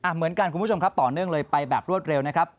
เหมือนกันคุณผู้ชมครับต่อเนื่องเลยไปแบบรวดเร็วนะครับ